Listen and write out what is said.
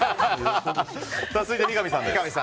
続いて、三上さんです。